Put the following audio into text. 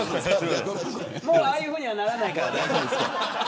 もう、ああいうふうにはならないから。